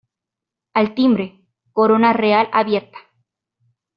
Al timbre, Corona Real abierta.